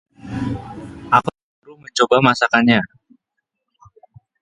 aku disuruh mencoba masakannya